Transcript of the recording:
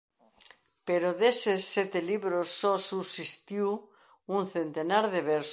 Pero deses sete libros só subsistiu un centenar de versos.